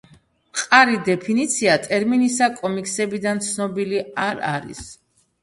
მყარი დეფინიცია ტერმინისა კომიქსებიდან ცნობილი არ არის.